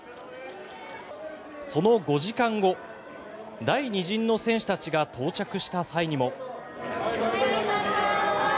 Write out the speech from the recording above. その５時間後第２陣の選手たちが到着した際にも。